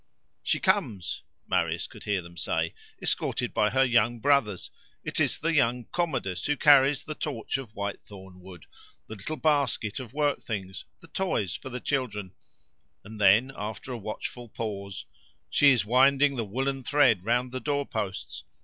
"She comes!" Marius could hear them say, "escorted by her young brothers: it is the young Commodus who carries the torch of white thornwood, the little basket of work things, the toys for the children:"—and then, after a watchful pause, "she is winding the woollen thread round the doorposts.